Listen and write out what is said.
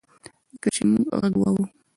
ځکه چي مونږ ږغ واورو